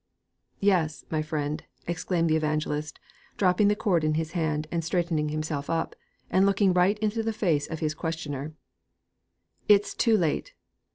'Yes, my friend,' exclaimed the evangelist, dropping the cord in his hand, straightening himself up, and looking right into the face of his questioner, 'it's too late!